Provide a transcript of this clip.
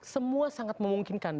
semua sangat memungkinkan